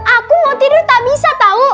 aku mau tidur tak bisa tau